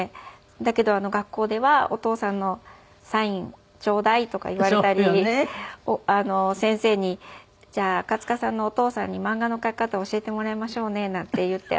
だけど学校では「お父さんのサインちょうだい」とか言われたり先生に「じゃあ赤塚さんのお父さんに漫画の描き方教えてもらいましょうね」なんて言って。